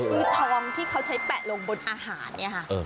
เออเออเออคือทองที่เขาใช้แปะลงบนอาหารเนี้ยฮะเออ